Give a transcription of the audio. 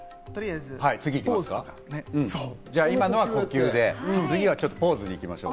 今のは呼吸で次はポーズに行きましょう。